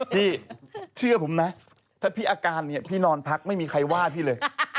พี่เชื่อผมนะถ้าพี่อาการเนี่ยพี่นอนพักไม่มีใครว่าพี่เลย